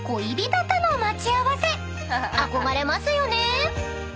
［憧れますよね］